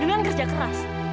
dengan kerja keras